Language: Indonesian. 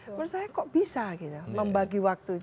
menurut saya kok bisa gitu ya membagi waktunya